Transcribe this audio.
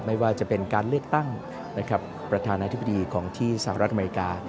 ไม่ว่าจะเป็นการเลือกตั้งประธานาธิบดีของที่สหรัฐอเมริกา